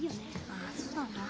あそうだな。